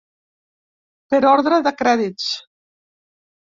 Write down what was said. Per ordre de crèdits.